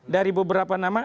dari beberapa nama